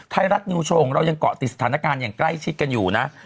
ไทยรัฐนิวโชว์เรายังเกาะติดสถานการณ์อย่างใกล้ชิดกันอยู่นะ